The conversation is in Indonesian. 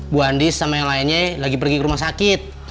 buandis sama yang lainnya lagi pergi ke rumah sakit